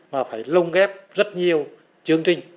và phải lông ghép rất nhiều chương trình